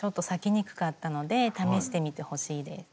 にくかったので試してみてほしいです。